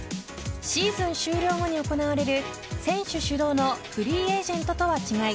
シーズン終了後に行われる選手主導のフリーエージェントとは違い